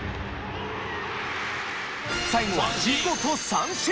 最後は見事三振！